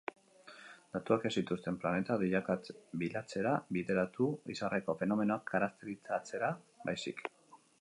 Datuak ez zituzten planetak bilatzera bideratu, izarreko fenomenoak karakterizatzera baizik.